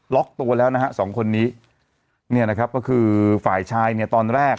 ตัวแล้วนะฮะสองคนนี้เนี่ยนะครับก็คือฝ่ายชายเนี่ยตอนแรก